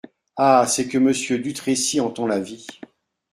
Ah ! c’est que Monsieur Dutrécy entend la vie !…